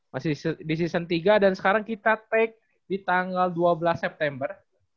masih di season tiga dan sekarang kita tag di tanggal dua belas september